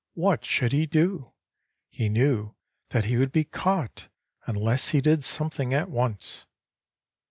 What should he do? He knew that he would be caught unless he did something at once.